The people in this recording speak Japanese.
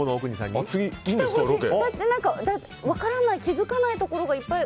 だって、分からない気づかないところがいっぱい。